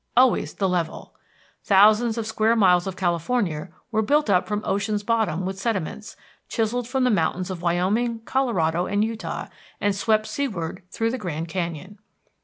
Always the level! Thousands of square miles of California were built up from ocean's bottom with sediments chiselled from the mountains of Wyoming, Colorado, and Utah, and swept seaward through the Grand Canyon.